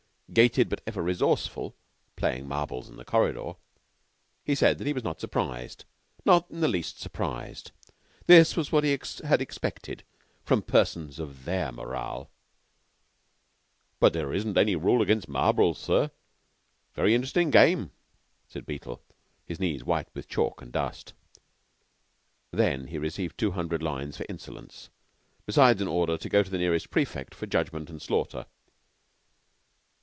gated but ever resourceful, playing marbles in the corridor, he said that he was not surprised not in the least surprised. This was what he had expected from persons of their morale. "But there isn't any rule against marbles, sir. Very interestin' game," said Beetle, his knees white with chalk and dust. Then he received two hundred lines for insolence, besides an order to go to the nearest prefect for judgment and slaughter.